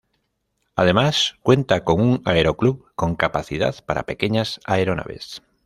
Además cuenta con un Aeroclub con capacidad para pequeñas Aeronaves.